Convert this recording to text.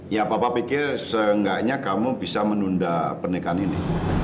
ya papa pikir seenggaknya kamu bisa menunda pernikahan ini